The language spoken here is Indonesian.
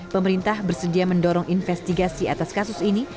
pemerintah bersedia mendorong investigasi atas kasus ini